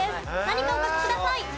何かお書きください。